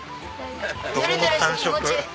泥の感触。